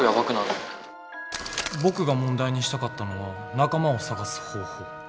僕が問題にしたかったのは仲間を探す方法。